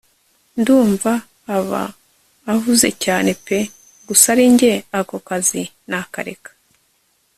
ndumva aba ahuze cyane pe! gusa arinjye ako kazi nakareka